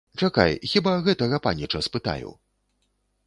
Чакай, хіба гэтага паніча спытаю!